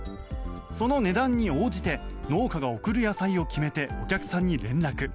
その値段に応じて農家が送る野菜を決めてお客さんに連絡。